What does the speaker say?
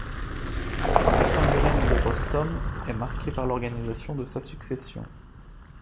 La fin du règne de Rostom est marquée par l’organisation de sa succession.